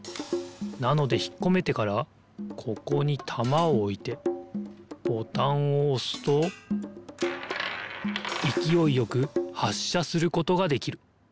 なのでひっこめてからここにたまをおいてボタンをおすといきおいよくはっしゃすることができる。